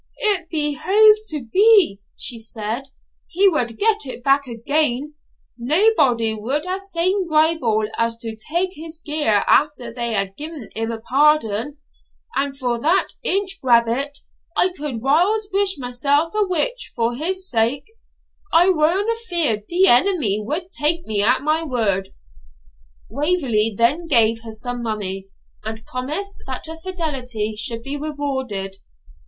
'It behoved to be,' she said, 'he wad get it back again; naebody wad be sae gripple as to tak his gear after they had gi'en him a pardon: and for that Inch Grabbit, I could whiles wish mysell a witch for his sake, if I werena feared the Enemy wad tak me at my word.' Waverley then gave her some money, and promised that her fidelity should be rewarded.